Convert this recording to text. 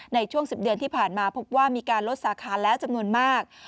ในช่วง๑๐เดือนที่ผ่านมาพบว่ามีการลดสาขาแล้วจำนวนมาก